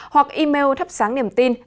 hoặc email thắp sáng niềm tin